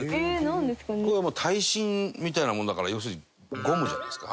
これはもう耐震みたいなものだから要するにゴムじゃないですか？